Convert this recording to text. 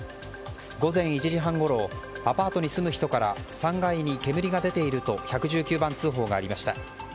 午前１時半ごろアパートに住む人から３階に煙が出ていると１１９番通報がありました。